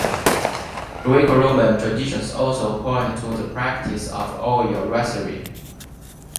Greco-Roman traditions also point to the practice of oil wrestling.